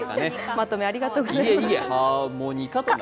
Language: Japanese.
まとめありがとうございます。